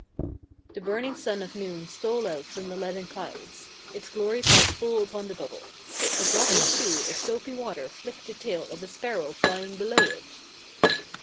The burning sun of noon stole out from the leaden clouds. Its glory fell full upon the bubble. A drop or two of soapy water flicked the tail of a sparrow flying below it.